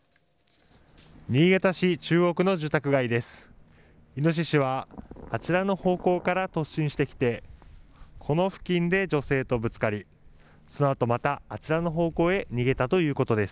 新潟市中央区の住宅街です。